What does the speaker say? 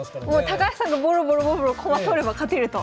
高橋さんがボロボロボロボロ駒取れば勝てると。